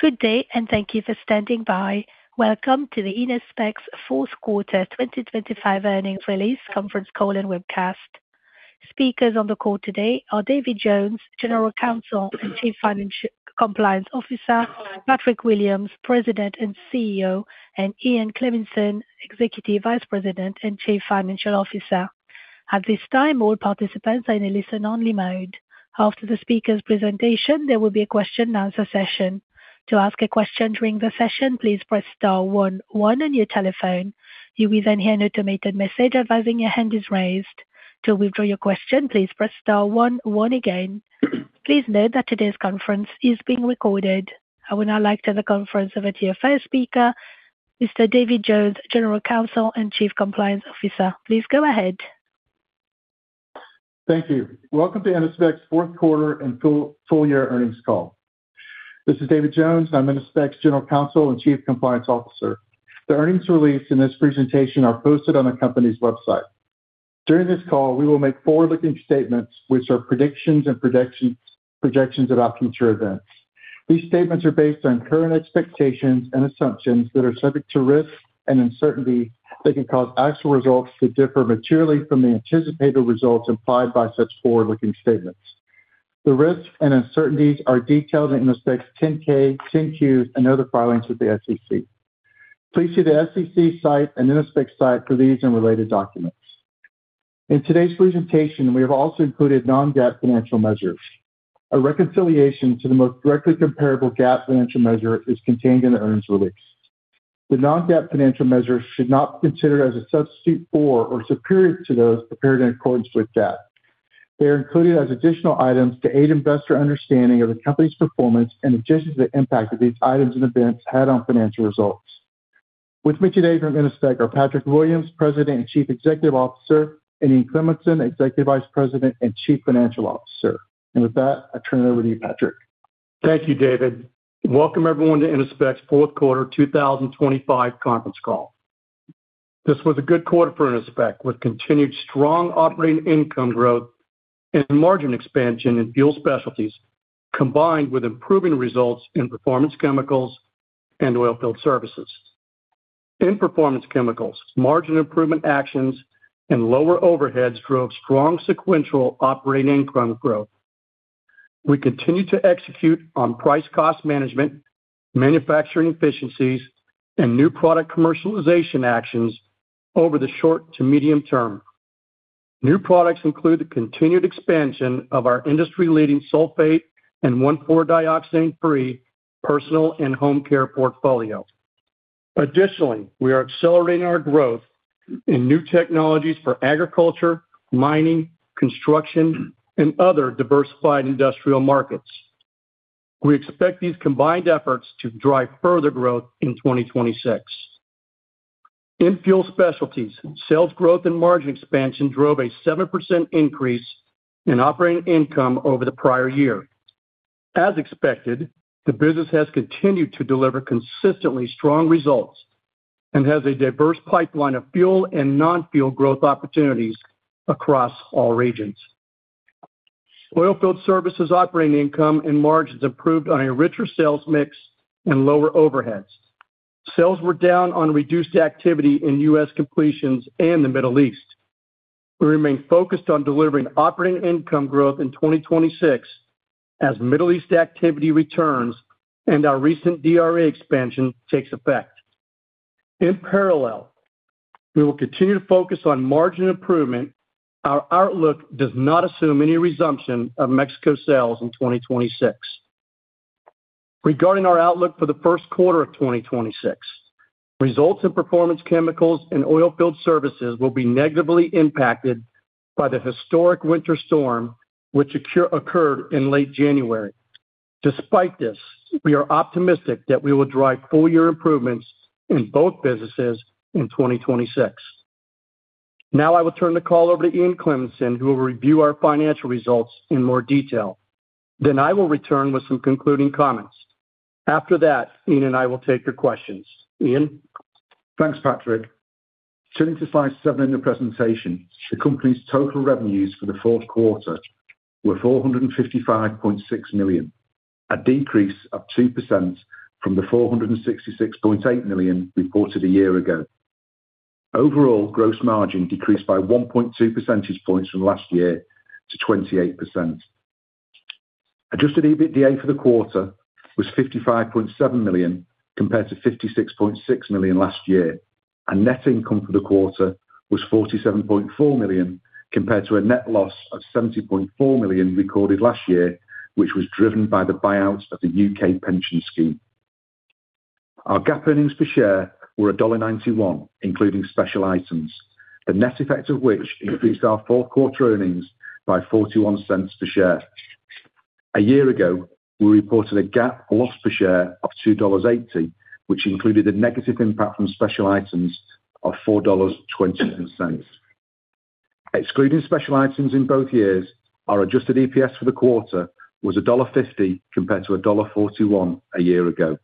Good day, and thank you for standing by. Welcome to Innospec's fourth quarter 2025 earnings release conference call and webcast. Speakers on the call today are David Jones, General Counsel and Chief Compliance Officer, Patrick Williams, President and CEO, and Ian Cleminson, Executive Vice President and Chief Financial Officer. At this time, all participants are in a listen-only mode. After the speakers' presentation, there will be a question-and-answer session. To ask a question during the session, please press star one one on your telephone. You will then hear an automated message advising your hand is raised. To withdraw your question, please press star one one again. Please note that today's conference is being recorded. I would now like to turn the conference over to your first speaker, Mr. David Jones, General Counsel and Chief Compliance Officer. Please go ahead. Thank you. Welcome to Innospec's fourth quarter and full-year earnings call. This is David Jones. I'm Innospec's General Counsel and Chief Compliance Officer. The earnings release in this presentation are posted on our company's website. During this call, we will make forward-looking statements which are predictions and projections about future events. These statements are based on current expectations and assumptions that are subject to risk and uncertainty that can cause actual results to differ materially from the anticipated results implied by such forward-looking statements. The risks and uncertainties are detailed in Innospec's 10-K, 10-Qs, and other filings with the SEC. Please see the SEC site and Innospec's site for these and related documents. In today's presentation, we have also included non-GAAP financial measures. A reconciliation to the most directly comparable GAAP financial measure is contained in the earnings release. The non-GAAP financial measures should not be considered as a substitute for or superior to those prepared in accordance with GAAP. They are included as additional items to aid investor understanding of the company's performance and adjust the impact that these items and events had on financial results. With me today from Innospec are Patrick Williams, President and Chief Executive Officer, and Ian Cleminson, Executive Vice President and Chief Financial Officer. With that, I turn it over to you, Patrick. Thank you, David. Welcome, everyone, to Innospec's fourth quarter 2025 conference call. This was a good quarter for Innospec, with continued strong operating income growth and margin expansion in Fuel Specialties, combined with improving results in Performance Chemicals and Oilfield Services. In Performance Chemicals, margin improvement actions and lower overheads drove strong sequential operating income growth. We continue to execute on price-cost management, manufacturing efficiencies, and new product commercialization actions over the short to medium term. New products include the continued expansion of our industry-leading sulfate-free and 1,4-dioxane-free personal and home care portfolio. Additionally, we are accelerating our growth in new technologies for agriculture, mining, construction, and other diversified industrial markets. We expect these combined efforts to drive further growth in 2026. In Fuel Specialties, sales growth and margin expansion drove a 7% increase in operating income over the prior year. As expected, the business has continued to deliver consistently strong results and has a diverse pipeline of Fuel and non-Fuel growth opportunities across all regions. Oilfield Services operating income and margins improved on a richer sales mix and lower overheads. Sales were down on reduced activity in U.S. completions and the Middle East. We remain focused on delivering operating income growth in 2026 as Middle East activity returns and our recent DRA expansion takes effect. In parallel, we will continue to focus on margin improvement. Our outlook does not assume any resumption of Mexico sales in 2026. Regarding our outlook for the first quarter of 2026, results in Performance Chemicals and Oilfield Services will be negatively impacted by the historic winter storm which occurred in late January. Despite this, we are optimistic that we will drive full year improvements in both businesses in 2026. Now, I will turn the call over to Ian Cleminson, who will review our financial results in more detail. Then I will return with some concluding comments. After that, Ian and I will take your questions. Ian? Thanks, Patrick. Turning to slide seven in the presentation, the company's total revenues for the fourth quarter were $455.6 million, a decrease of 2% from the $466.8 million reported a year ago. Overall, gross margin decreased by 1.2 percentage points from last year to 28%. Adjusted EBITDA for the quarter was $55.7 million, compared to $56.6 million last year, and net income for the quarter was $47.4 million, compared to a net loss of $70.4 million recorded last year, which was driven by the buyouts of the U.K. pension scheme. Our GAAP earnings per share were $1.91, including special items, the net effect of which increased our fourth quarter earnings by $0.41 per share. A year ago, we reported a GAAP loss per share of $2.80, which included a negative impact from special items of $4.20. Excluding special items in both years, our Adjusted EPS for the quarter was $1.50, compared to $1.41 a year ago.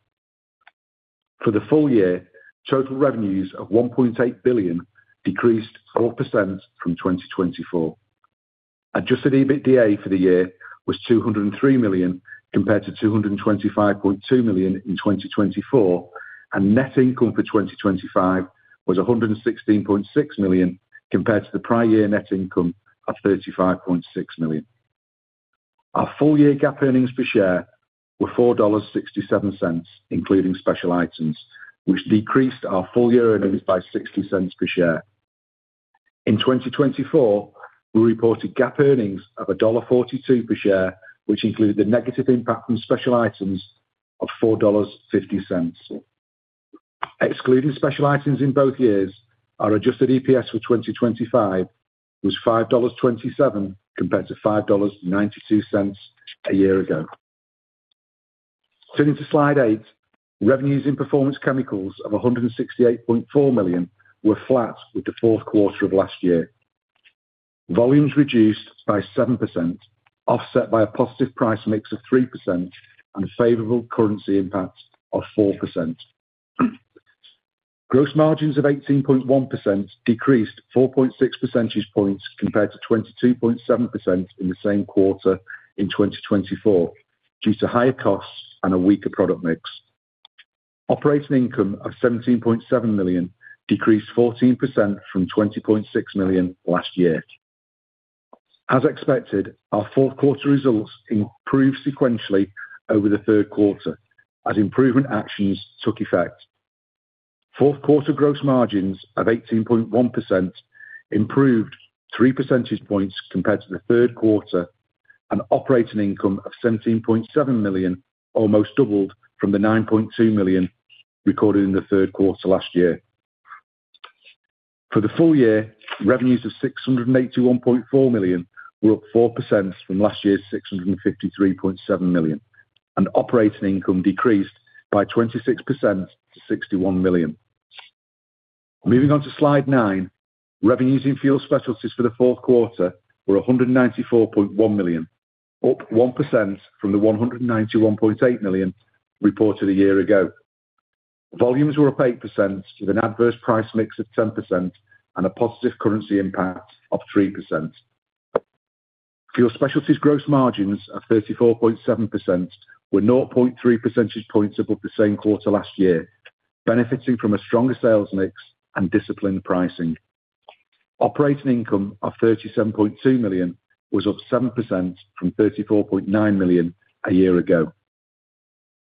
For the full year, total revenues of $1.8 billion decreased 4% from 2024. Adjusted EBITDA for the year was $203 million, compared to $225.2 million in 2024, and net income for 2025 was $116.6 million, compared to the prior year net income of $35.6 million. Our full-year GAAP earnings per share were $4.67, including special items, which decreased our full-year earnings by $0.60 per share. In 2024, we reported GAAP earnings of $1.42 per share, which included the negative impact from special items of $4.50. Excluding special items in both years, our Adjusted EPS for 2025 was $5.27, compared to $5.92 a year ago. Turning to slide eight. Revenues in Performance Chemicals of $168.4 million were flat with the fourth quarter of last year. Volumes reduced by 7%, offset by a positive price mix of 3% and a favorable currency impact of 4%. Gross margins of 18.1% decreased 4.6 percentage points compared to 22.7% in the same quarter in 2024, due to higher costs and a weaker product mix. Operating income of $17.7 million decreased 14% from $20.6 million last year. As expected, our fourth quarter results improved sequentially over the third quarter as improvement actions took effect. Fourth quarter gross margins of 18.1% improved three percentage points compared to the third quarter, and operating income of $17.7 million almost doubled from the $9.2 million recorded in the third quarter last year. For the full year, revenues of $681.4 million were up 4% from last year's $653.7 million, and operating income decreased by 26% to $61 million. Moving on to slide nine. Revenues in Fuel Specialties for the fourth quarter were $194.1 million, up 1% from the $191.8 million reported a year ago. Volumes were up 8%, with an adverse price mix of 10% and a positive currency impact of 3%. Fuel Specialties gross margins of 34.7% were 0.3 percentage points above the same quarter last year, benefiting from a stronger sales mix and disciplined pricing. Operating income of $37.2 million was up 7% from $34.9 million a year ago.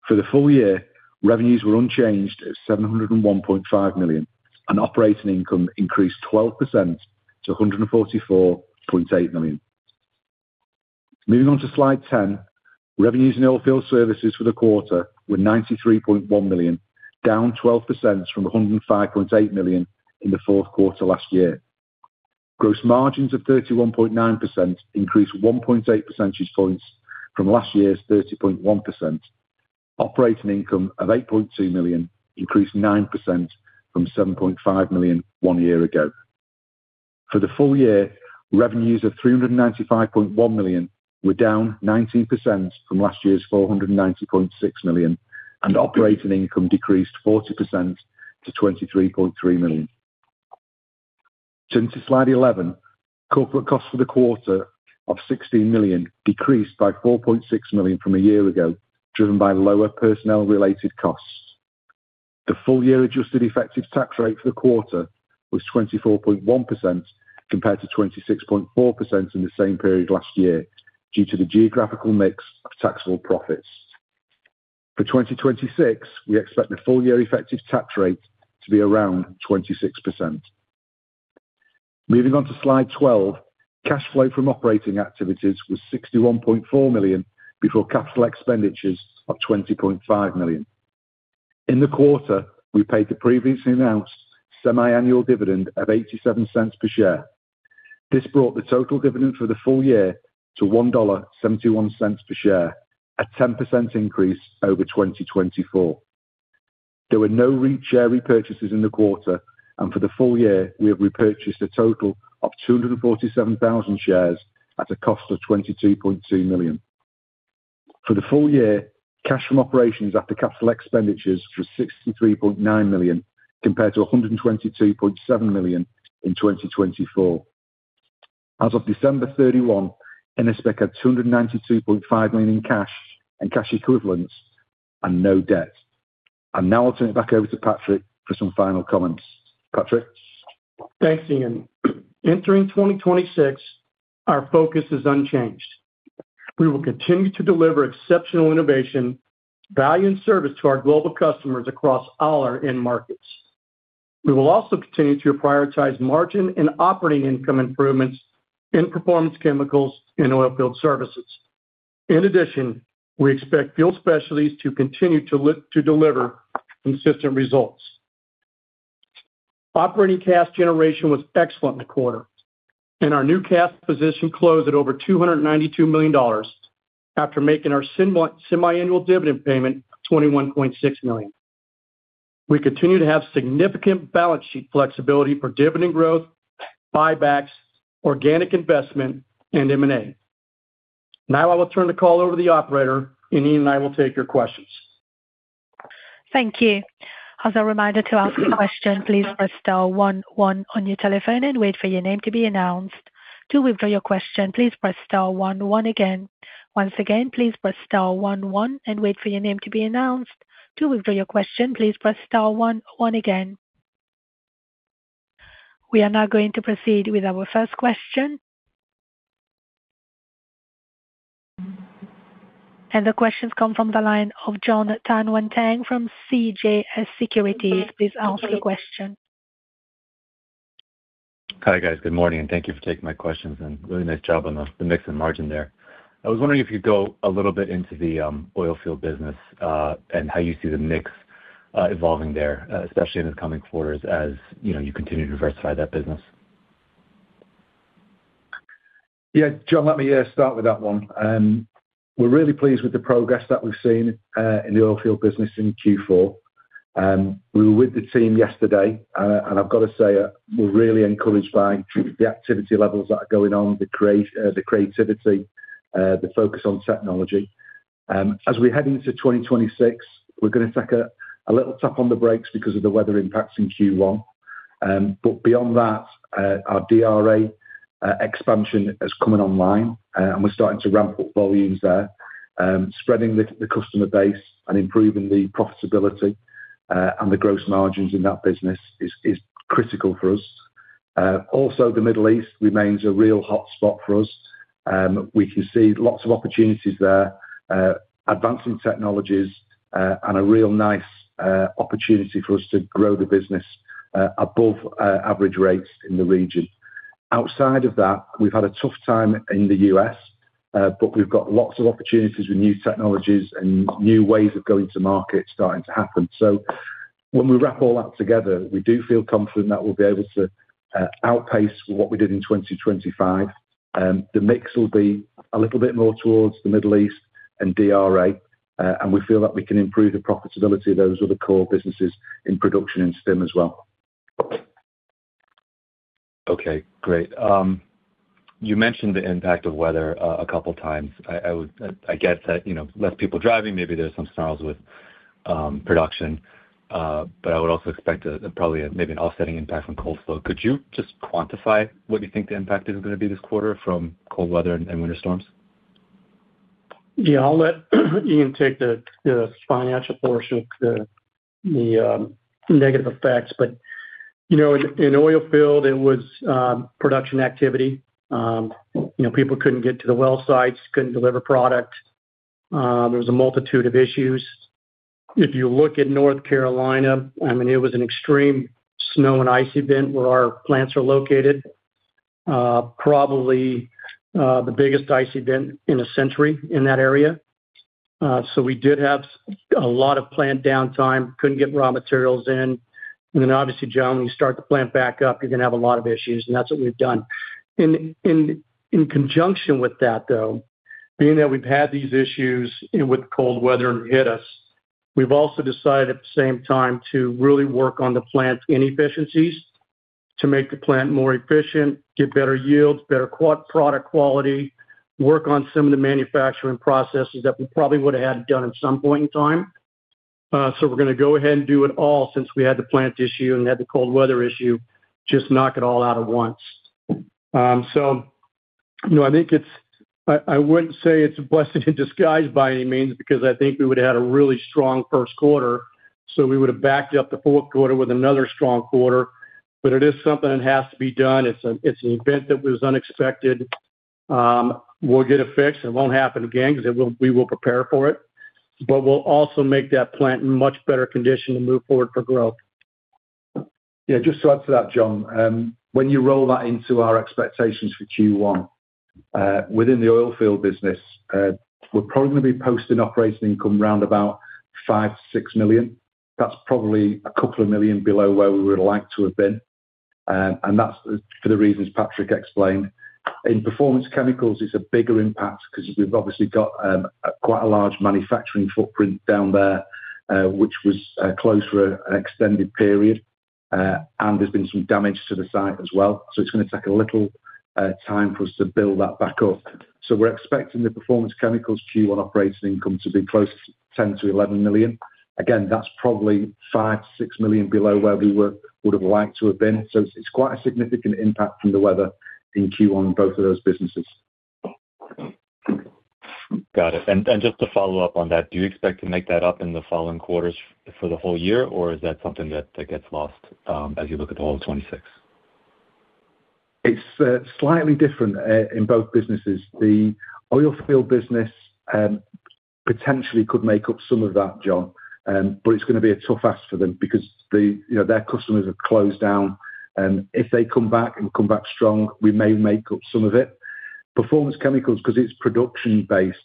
For the full year, revenues were unchanged at $701.5 million, and operating income increased 12% to $144.8 million. Moving on to slide 10. Revenues in Oilfield Services for the quarter were $93.1 million, down 12% from $105.8 million in the fourth quarter last year. Gross margins of 31.9% increased 1.8 percentage points from last year's 30.1%. Operating income of $8.2 million increased 9% from $7.5 million one year ago. For the full year, revenues of $395.1 million were down 19% from last year's $490.6 million, and operating income decreased 40% to $23.3 million. Turning to slide 11. Corporate costs for the quarter of $16 million decreased by $4.6 million from a year ago, driven by lower personnel-related costs. The full-year adjusted effective tax rate for the quarter was 24.1%, compared to 26.4% in the same period last year, due to the geographical mix of taxable profits. For 2026, we expect the full-year effective tax rate to be around 26%. Moving on to slide 12. Cash flow from operating activities was $61.4 million, before capital expenditures of $20.5 million. In the quarter, we paid the previously announced semiannual dividend of $0.87 per share. This brought the total dividend for the full year to $1.71 per share, a 10% increase over 2024. There were no share repurchases in the quarter, and for the full year, we have repurchased a total of 247,000 shares at a cost of $22.2 million. For the full year, cash from operations after capital expenditures was $63.9 million, compared to $122.7 million in 2024. As of December 31, Innospec had $292.5 million in cash and cash equivalents and no debt. Now I'll turn it back over to Patrick for some final comments. Patrick? Thanks, Ian. Entering 2026, our focus is unchanged. We will continue to deliver exceptional innovation, value, and service to our global customers across all our end markets. We will also continue to prioritize margin and operating income improvements in Performance Chemicals and Oilfield Services. In addition, we expect Fuel Specialties to continue to look to deliver consistent results. Operating cash generation was excellent in the quarter, and our new cash position closed at over $292 million after making our semi-annual dividend payment of $21.6 million. We continue to have significant balance sheet flexibility for dividend growth, buybacks, organic investment, and M&A. Now I will turn the call over to the operator, and Ian and I will take your questions. Thank you. As a reminder, to ask a question, please press star one one on your telephone and wait for your name to be announced. To withdraw your question, please press star one one again. Once again, please press star one one and wait for your name to be announced. To withdraw your question, please press star one one again. We are now going to proceed with our first question. The questions come from the line of Jonathan Tanwanteng from CJS Securities. Please ask your question. Hi, guys. Good morning, and thank you for taking my questions, and really nice job on the mix and margin there. I was wondering if you'd go a little bit into the oil field business, and how you see the mix evolving there, especially in the coming quarters, as you know, you continue to diversify that business. Yeah, John, let me start with that one. We're really pleased with the progress that we've seen in the oil field business in Q4. We were with the team yesterday, and I've got to say, we're really encouraged by the activity levels that are going on, the creativity, the focus on technology. As we head into 2026, we're gonna take a little tap on the brakes because of the weather impacts in Q1. But beyond that, our DRA expansion is coming online, and we're starting to ramp up volumes there. Spreading the customer base and improving the profitability and the gross margins in that business is critical for us. Also, the Middle East remains a real hot spot for us. We can see lots of opportunities there, advancing technologies, and a real nice opportunity for us to grow the business above average rates in the region. Outside of that, we've had a tough time in the U.S., but we've got lots of opportunities with new technologies and new ways of going to market starting to happen. So when we wrap all that together, we do feel confident that we'll be able to outpace what we did in 2025. The mix will be a little bit more towards the Middle East and DRA, and we feel that we can improve the profitability of those other core businesses in production and Stim as well. Okay, great. You mentioned the impact of weather a couple times. I would—I guess that, you know, less people driving, maybe there's some snarls with production, but I would also expect probably, maybe an offsetting impact from cold flow. Could you just quantify what you think the impact is gonna be this quarter from cold weather and winter storms? Yeah, I'll let Ian take the financial portion of the negative effects. But, you know, in oilfield, it was production activity. You know, people couldn't get to the well sites, couldn't deliver product. There was a multitude of issues. If you look at North Carolina, I mean, it was an extreme snow and ice event where our plants are located. Probably the biggest ice event in a century in that area. So we did have a lot of plant downtime, couldn't get raw materials in. And then, obviously, John, when you start the plant back up, you're gonna have a lot of issues, and that's what we've done. In conjunction with that, though, being that we've had these issues with cold weather and hit us, we've also decided at the same time to really work on the plant's inefficiencies, to make the plant more efficient, get better yields, better product quality, work on some of the manufacturing processes that we probably would have had done at some point in time. So we're gonna go ahead and do it all since we had the plant issue and had the cold weather issue, just knock it all out at once. So, you know, I think it's. I wouldn't say it's a blessing in disguise by any means, because I think we would've had a really strong first quarter, so we would have backed up the fourth quarter with another strong quarter. But it is something that has to be done. It's an event that was unexpected. We'll get it fixed, and it won't happen again, because it will, we will prepare for it. But we'll also make that plant in much better condition to move forward for growth. Yeah, just to add to that, John, when you roll that into our expectations for Q1, within the oil field business, we're probably gonna be posting operating income around $5 million-$6 million. That's probably a couple of million below where we would have liked to have been, and that's for the reasons Patrick explained. In Performance Chemicals, it's a bigger impact because we've obviously got a quite large manufacturing footprint down there, which was closed for an extended period, and there's been some damage to the site as well, so it's gonna take a little time for us to build that back up. So we're expecting the Performance Chemicals Q1 operating income to be close to $10 million-$11 million. Again, that's probably $5 million-$6 million below where we were—would have liked to have been, so it's, it's quite a significant impact from the weather in Q1, both of those businesses. Got it. And just to follow up on that, do you expect to make that up in the following quarters for the whole year, or is that something that gets lost, as you look at the whole of 2026? It's slightly different in both businesses. The oil field business potentially could make up some of that, John, but it's gonna be a tough ask for them because the, you know, their customers are closed down, and if they come back and come back strong, we may make up some of it. Performance Chemicals, because it's production-based,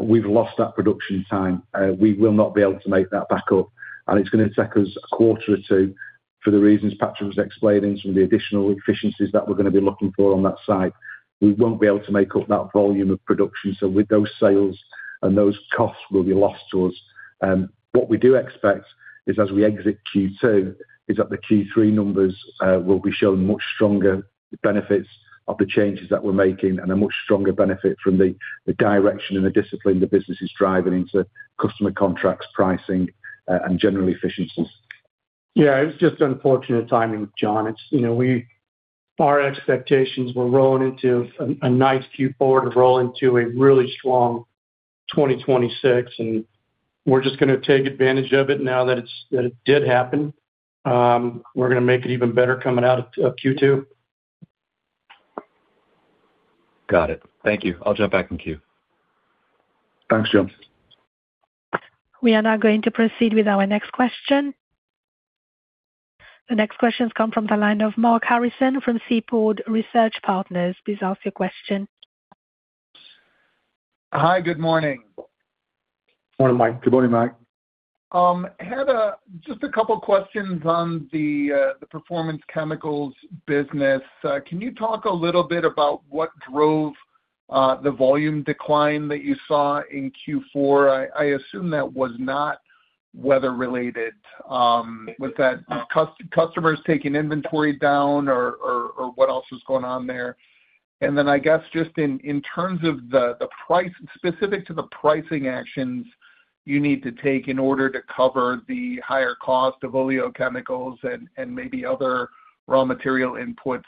we've lost that production time. We will not be able to make that back up, and it's gonna take us a quarter or two for the reasons Patrick was explaining, some of the additional efficiencies that we're gonna be looking for on that site. We won't be able to make up that volume of production, and those costs will be lost to us. What we do expect is as we exit Q2, is that the Q3 numbers will be showing much stronger benefits of the changes that we're making and a much stronger benefit from the direction and the discipline the business is driving into customer contracts, pricing, and general efficiencies. Yeah, it's just unfortunate timing, John. It's, you know, our expectations were rolling into a nice Q4 to roll into a really strong 2026, and we're just gonna take advantage of it now that it did happen. We're gonna make it even better coming out of Q2. Got it. Thank you. I'll jump back in queue. Thanks, John. We are now going to proceed with our next question. The next question comes from the line of Mike Harrison from Seaport Research Partners. Please ask your question. Hi, good morning. Morning, Mike. Good morning, Mike. Just a couple questions on the Performance Chemicals business. Can you talk a little bit about what drove the volume decline that you saw in Q4? I assume that was not weather related. Was that customers taking inventory down or what else is going on there? And then, I guess, just in terms of the price. Specific to the pricing actions you need to take in order to cover the higher cost of oleochemicals and maybe other raw material inputs,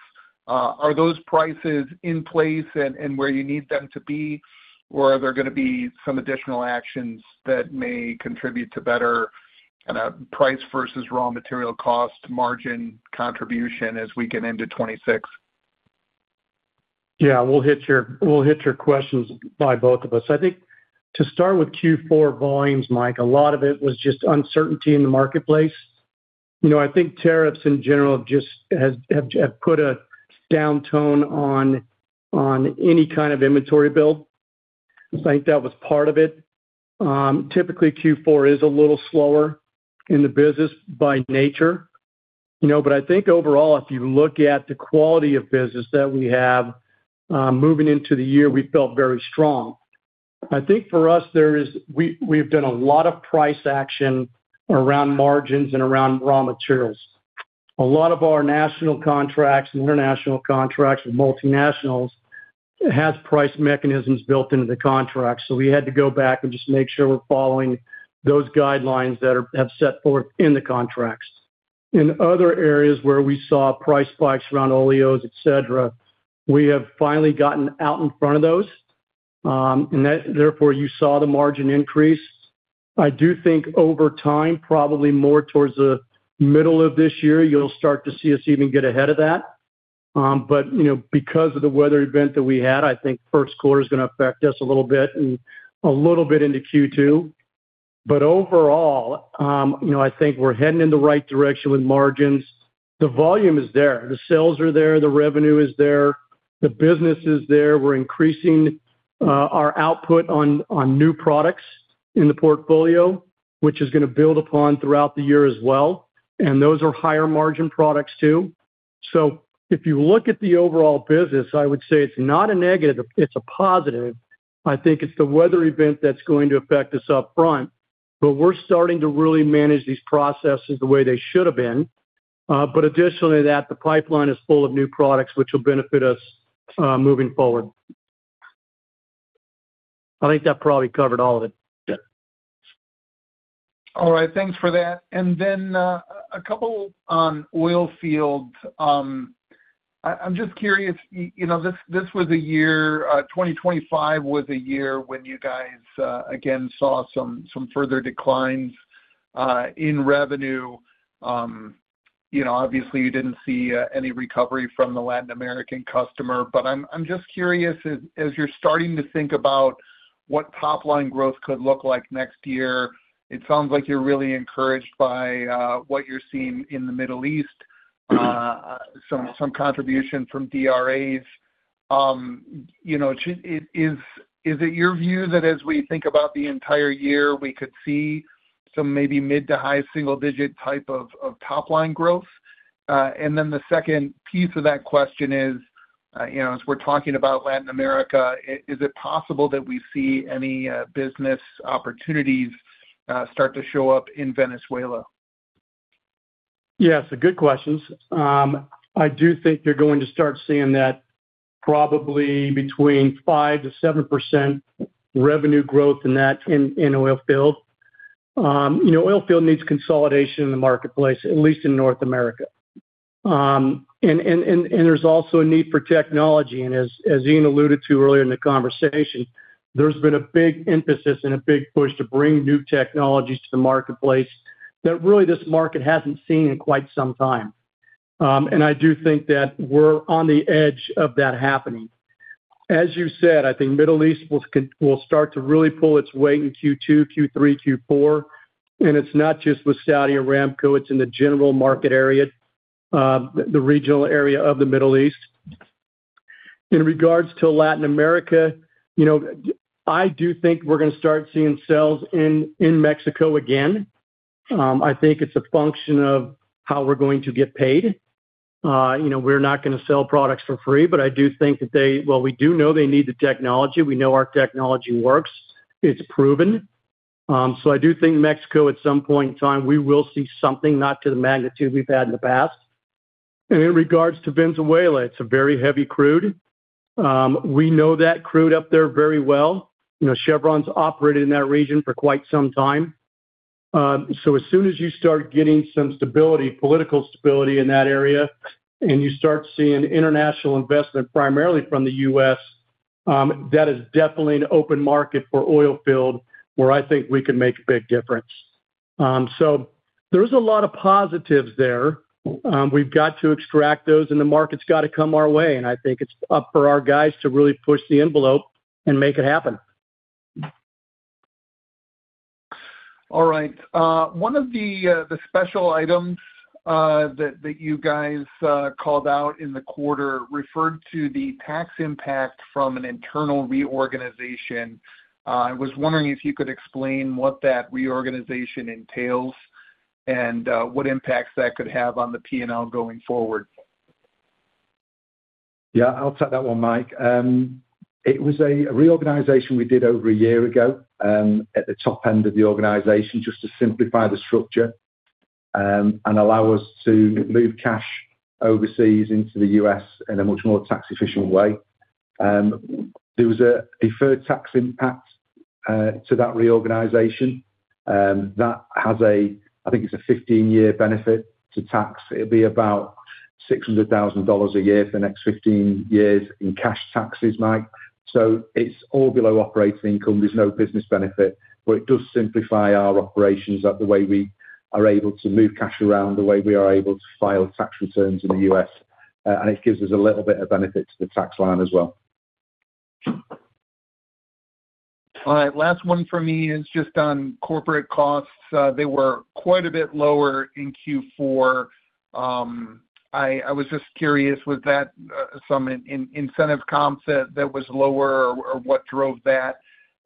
are those prices in place and where you need them to be? Or are there gonna be some additional actions that may contribute to better, kinda, price versus raw material cost margin contribution as we get into 2026? Yeah, we'll hit your questions by both of us. I think to start with Q4 volumes, Mike, a lot of it was just uncertainty in the marketplace. You know, I think tariffs in general have put a down tone on any kind of inventory build. I think that was part of it. Typically, Q4 is a little slower in the business by nature, you know? But I think overall, if you look at the quality of business that we have moving into the year, we felt very strong. I think for us, there is. We've done a lot of price action around margins and around raw materials. A lot of our national contracts, international contracts, and multinationals, it has price mechanisms built into the contract. So we had to go back and just make sure we're following those guidelines that have set forth in the contracts. In other areas where we saw price spikes around oleos, et cetera, we have finally gotten out in front of those, and that therefore, you saw the margin increase. I do think over time, probably more towards the middle of this year, you'll start to see us even get ahead of that. But, you know, because of the weather event that we had, I think first quarter is gonna affect us a little bit and a little bit into Q2. But overall, you know, I think we're heading in the right direction with margins. The volume is there, the sales are there, the revenue is there, the business is there. We're increasing our output on new products in the portfolio, which is gonna build upon throughout the year as well, and those are higher margin products, too. So if you look at the overall business, I would say it's not a negative, it's a positive. I think it's the weather event that's going to affect us upfront, but we're starting to really manage these processes the way they should have been. But additionally, that the pipeline is full of new products, which will benefit us moving forward. I think that probably covered all of it. Yeah. All right, thanks for that. Then, a couple on oil fields. I'm just curious, you know, this, this was a year, 2025 was a year when you guys again saw some further declines in revenue. You know, obviously, you didn't see any recovery from the Latin American customer, but I'm just curious, as you're starting to think about what top-line growth could look like next year, it sounds like you're really encouraged by what you're seeing in the Middle East, some contribution from DRAs. You know, is it your view that as we think about the entire year, we could see some maybe mid- to high-single-digit type of top-line growth? And then the second piece of that question is, you know, as we're talking about Latin America, is it possible that we see any business opportunities start to show up in Venezuela? Yes, so good questions. I do think you're going to start seeing that probably between 5%-7% revenue growth in that, in oilfield. You know, oilfield needs consolidation in the marketplace, at least in North America. And there's also a need for technology. And as Ian alluded to earlier in the conversation, there's been a big emphasis and a big push to bring new technologies to the marketplace that really this market hasn't seen in quite some time. And I do think that we're on the edge of that happening. As you said, I think Middle East will start to really pull its weight in Q2, Q3, Q4, and it's not just with Saudi Aramco, it's in the general market area, the regional area of the Middle East. In regards to Latin America, you know, I do think we're gonna start seeing sales in Mexico again. I think it's a function of how we're going to get paid. You know, we're not gonna sell products for free, but I do think that they. Well, we do know they need the technology. We know our technology works. It's proven. So I do think Mexico, at some point in time, we will see something, not to the magnitude we've had in the past. And in regards to Venezuela, it's a very heavy crude. We know that crude up there very well. You know, Chevron's operated in that region for quite some time. As soon as you start getting some stability, political stability in that area, and you start seeing international investment, primarily from the U.S., that is definitely an open market for oilfield, where I think we can make a big difference. There's a lot of positives there. We've got to extract those, and the market's got to come our way, and I think it's up for our guys to really push the envelope and make it happen. All right. One of the special items that you guys called out in the quarter referred to the tax impact from an internal reorganization. I was wondering if you could explain what that reorganization entails and what impacts that could have on the P&L going forward. Yeah, I'll take that one, Mike. It was a reorganization we did over a year ago, at the top end of the organization, just to simplify the structure, and allow us to move cash overseas into the US in a much more tax-efficient way. There was a third tax impact to that reorganization, that has, I think, it's a 15-year benefit to tax. It'll be about $600,000 a year for the next 15 years in cash taxes, Mike. So it's all below operating income. There's no business benefit, but it does simplify our operations, like the way we are able to move cash around, the way we are able to file tax returns in the US, and it gives us a little bit of benefit to the tax line as well. All right, last one for me is just on corporate costs. They were quite a bit lower in Q4. I was just curious, was that some incentive comp that was lower, or what drove that?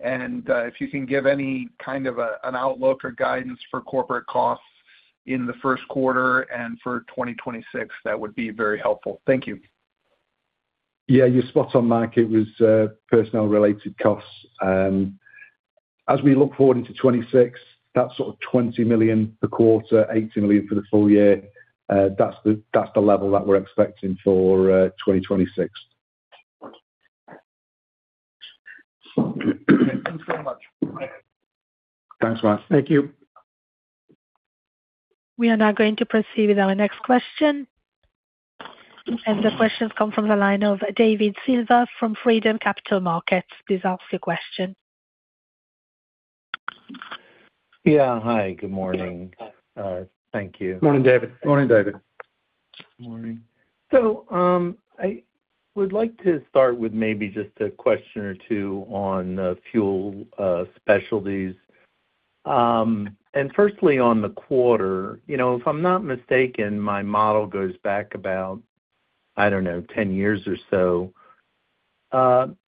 And if you can give any kind of an outlook or guidance for corporate costs in the first quarter and for 2026, that would be very helpful. Thank you. Yeah, you're spot on, Mike. It was personnel-related costs. As we look forward into 2026, that sort of $20 million per quarter, $18 million for the full year, that's the, that's the level that we're expecting for 2026. Thanks so much. Thanks, Mike. Thank you. We are now going to proceed with our next question, and the question come from the line of David Silver from Freedom Capital Markets. Please ask your question. Yeah. Hi, good morning. Yeah, hi. Thank you. Morning, David. Morning, David. Morning. So, I would like to start with maybe just a question or two on the Fuel Specialties. And firstly, on the quarter, you know, if I'm not mistaken, my model goes back about, I don't know, 10 years or so.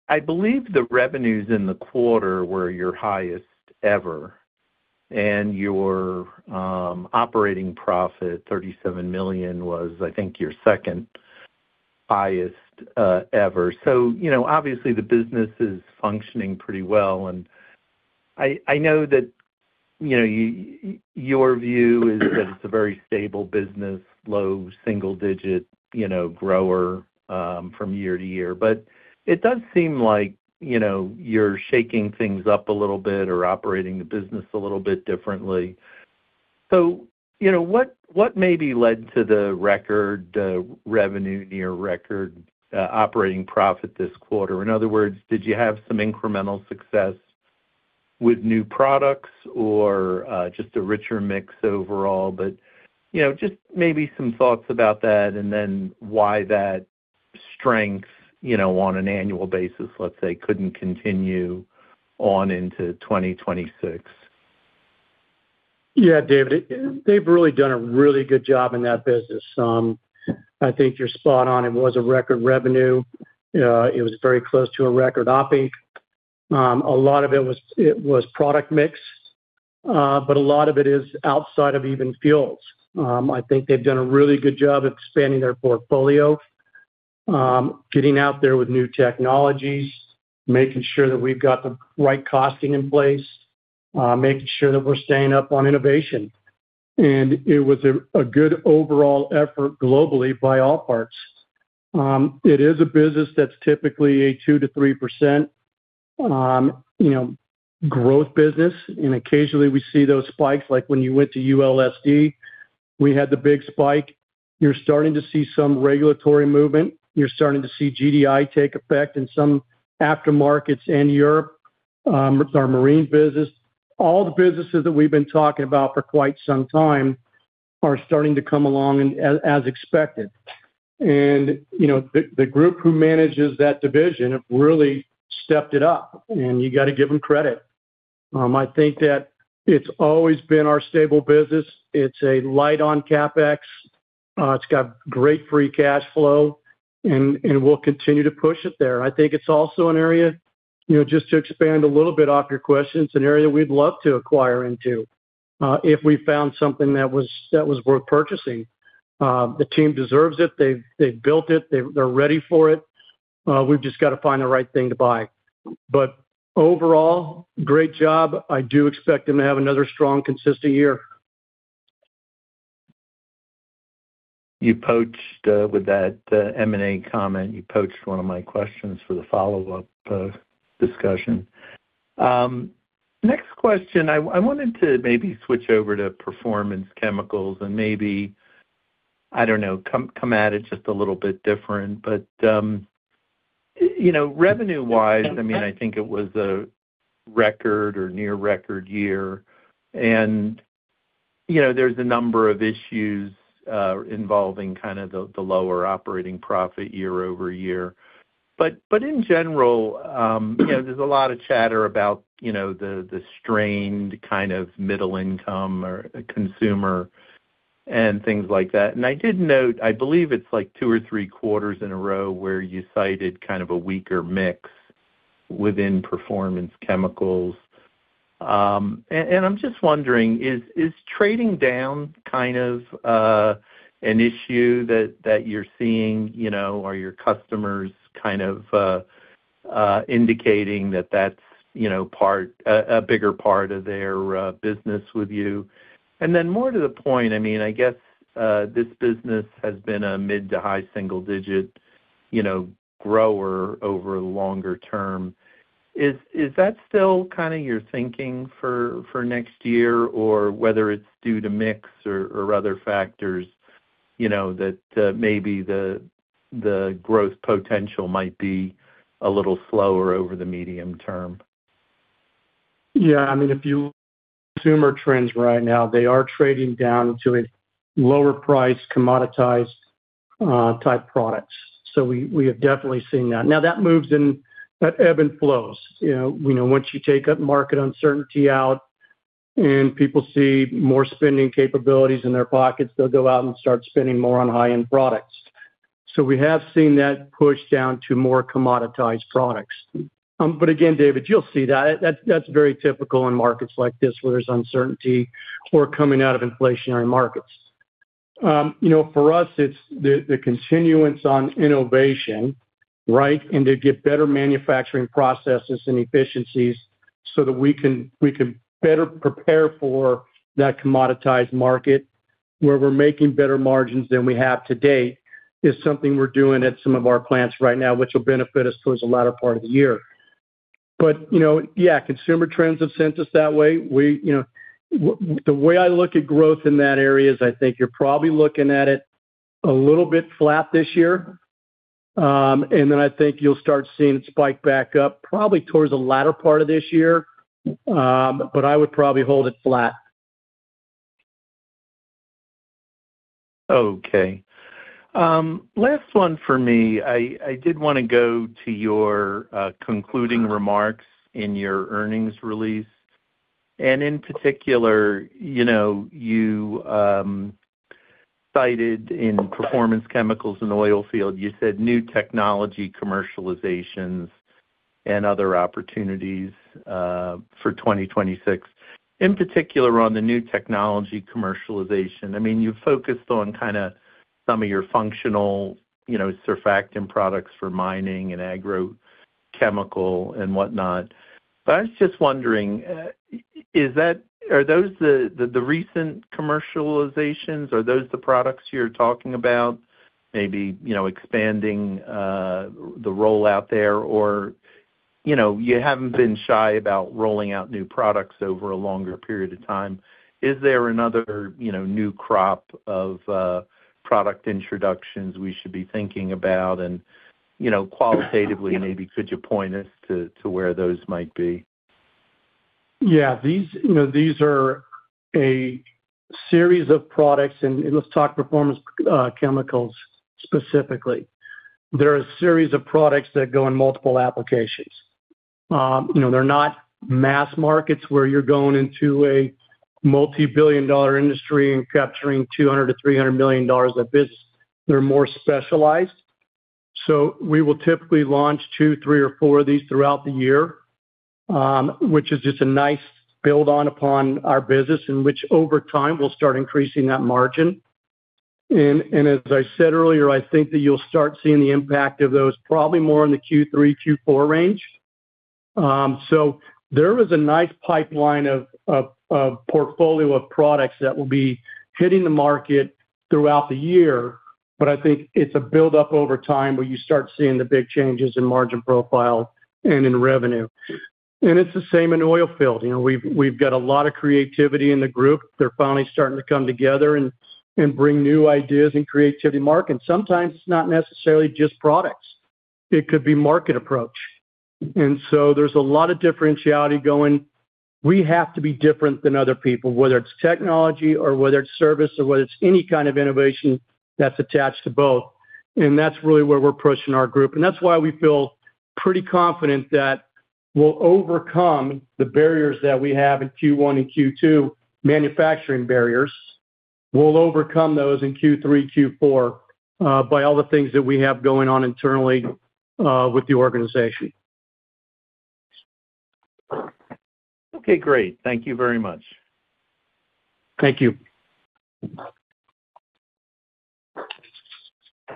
I believe the revenues in the quarter were your highest ever, and your operating profit, $37 million, was, I think, your second highest ever. So, you know, obviously, the business is functioning pretty well, and I know that, you know, your view is that it's a very stable business, low single digit grower from year to year. But it does seem like, you know, you're shaking things up a little bit or operating the business a little bit differently. So, you know, what maybe led to the record revenue, near record operating profit this quarter? In other words, did you have some incremental success with new products or just a richer mix overall? But, you know, just maybe some thoughts about that and then why that strength, you know, on an annual basis, let's say, couldn't continue on into 2026. Yeah, David, they've really done a really good job in that business. I think you're spot on. It was a record revenue. It was very close to a record operating. A lot of it was, it was product mix, but a lot of it is outside of even Fuels. I think they've done a really good job expanding their portfolio, getting out there with new technologies, making sure that we've got the right costing in place, making sure that we're staying up on innovation. It was a good overall effort globally by all parts. It is a business that's typically a 2%-3% growth business, and occasionally we see those spikes, like when you went to ULSD, we had the big spike. You're starting to see some regulatory movement. You're starting to see GDI take effect in some aftermarkets in Europe, with our marine business. All the businesses that we've been talking about for quite some time are starting to come along and as expected. And, you know, the group who manages that division have really stepped it up, and you got to give them credit. I think that it's always been our stable business. It's a light on CapEx. It's got great free cash flow, and we'll continue to push it there. I think it's also an area, you know, just to expand a little bit off your question, it's an area we'd love to acquire into, if we found something that was worth purchasing. The team deserves it. They've built it. They're ready for it. We've just got to find the right thing to buy. Overall, great job. I do expect them to have another strong, consistent year. You poached, with that M&A comment, you poached one of my questions for the follow-up discussion. Next question, I wanted to maybe switch over to Performance Chemicals and maybe, I don't know, come at it just a little bit different. But, you know, revenue-wise, I mean, I think it was a record or near record year, and, you know, there's a number of issues, involving kind of the lower operating profit year-over-year. But in general, you know, there's a lot of chatter about, you know, the strained kind of middle income or consumer and things like that. And I did note, I believe it's like two or three quarters in a row where you cited kind of a weaker mix within Performance Chemicals. I'm just wondering, is trading down kind of an issue that you're seeing, you know? Are your customers kind of indicating that that's, you know, a bigger part of their business with you? And then, more to the point, I mean, I guess, this business has been a mid- to high-single-digit, you know, grower over longer term. Is that still kind of your thinking for next year, or whether it's due to mix or other factors, you know, that maybe the growth potential might be a little slower over the medium term? Yeah, I mean, consumer trends right now, they are trading down to a lower price, commoditized type products. So we have definitely seen that. Now, that moves in, that ebbs and flows. You know, we know once you take up market uncertainty out and people see more spending capabilities in their pockets, they'll go out and start spending more on high-end products. So we have seen that push down to more commoditized products. But again, David, you'll see that. That's very typical in markets like this, where there's uncertainty or coming out of inflationary markets. You know, for us, it's the continuance on innovation, right? To get better manufacturing processes and efficiencies so that we can, we can better prepare for that commoditized market, where we're making better margins than we have to date, is something we're doing at some of our plants right now, which will benefit us towards the latter part of the year. But, you know, yeah, consumer trends have sent us that way. You know, the way I look at growth in that area is I think you're probably looking at it a little bit flat this year. And then I think you'll start seeing it spike back up probably towards the latter part of this year. But I would probably hold it flat. Okay. Last one for me. I did want to go to your concluding remarks in your earnings release. And in particular, you know, you cited in Performance Chemicals in the oil field, you said new technology commercializations and other opportunities for 2026. In particular, on the new technology commercialization, I mean, you've focused on kind of some of your functional, you know, surfactant products for mining and agrochemical and whatnot. But I was just wondering, is that, are those the recent commercializations? Are those the products you're talking about? Maybe, you know, expanding the rollout there, or... You know, you haven't been shy about rolling out new products over a longer period of time. Is there another, you know, new crop of product introductions we should be thinking about? You know, qualitatively, maybe could you point us to where those might be? Yeah. These, you know, these are a series of products, and let's talk Performance Chemicals, specifically. They're a series of products that go in multiple applications. You know, they're not mass markets, where you're going into a multi-billion dollar industry and capturing $200 million-$300 million of business. They're more specialized. So we will typically launch two, three, or four of these throughout the year, which is just a nice build on upon our business, and which over time will start increasing that margin. And as I said earlier, I think that you'll start seeing the impact of those probably more in the Q3, Q4 range. So there is a nice pipeline of portfolio of products that will be hitting the market throughout the year, but I think it's a buildup over time where you start seeing the big changes in margin profile and in revenue. It's the same in oil field. You know, we've got a lot of creativity in the group. They're finally starting to come together and bring new ideas and creativity to market. Sometimes it's not necessarily just products; it could be market approach. So there's a lot of differentiality going. We have to be different than other people, whether it's technology or whether it's service or whether it's any kind of innovation that's attached to both, and that's really where we're pushing our group. And that's why we feel pretty confident that we'll overcome the barriers that we have in Q1 and Q2, manufacturing barriers. We'll overcome those in Q3, Q4, by all the things that we have going on internally, with the organization. Okay, great. Thank you very much. Thank you.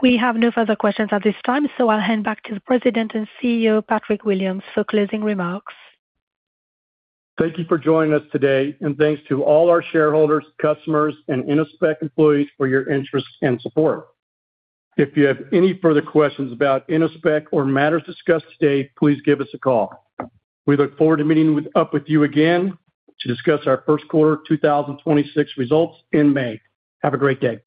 We have no further questions at this time, so I'll hand back to the President and CEO, Patrick Williams, for closing remarks. Thank you for joining us today, and thanks to all our shareholders, customers, and Innospec employees for your interest and support. If you have any further questions about Innospec or matters discussed today, please give us a call. We look forward to meeting up with you again to discuss our first quarter 2026 results in May. Have a great day.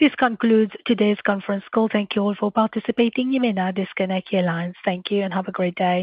This concludes today's conference call. Thank you all for participating. You may now disconnect your lines. Thank you, and have a great day.